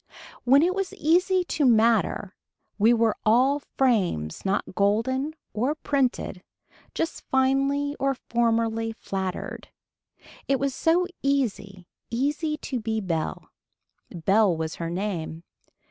When it was easy to matter we were all frames not golden or printed, just finely or formerly flattered. It was so easy easy to be bell. Belle was her name.